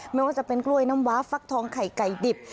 ไม่ว่าจะเป็นกล้วยน้ำว้าฟักทองไข่ไก่ดิบ